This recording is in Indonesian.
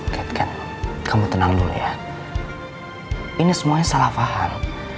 ket ket kamu tenang dulu ya ini semuanya salah paham